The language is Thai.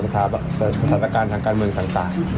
สถานการณ์ทางการเมืองต่าง